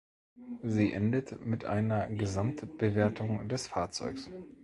Sie endet mit einer Gesamtbewertung des Fahrzeugs.